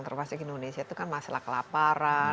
termasuk indonesia itu kan masalah kelaparan